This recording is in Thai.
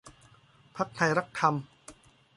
พรรคไทรักธรรม